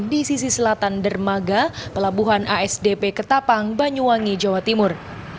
di sisi selatan dermaga pelabuhan asdp ketapang banyuwangi jawa timur